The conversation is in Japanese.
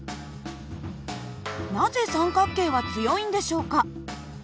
なぜ三角形は強いんでしょうか？